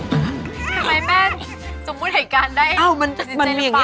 ทำไมแม่สมมุติแห่งการได้สินเจนฝาก